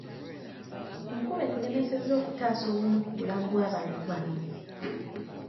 Enkuba etulemesezza okutaasa obumu ku bulamu bw'abantu bano .